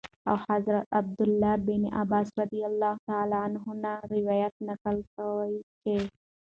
او حضرت عبدالله بن عباس رضي الله تعالى عنهم نه روايت نقل كوي چې :